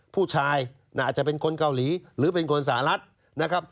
ผู้ชายอาจจะเป็นคนเกาหลีหรือเป็นคนสหรัฐนะครับ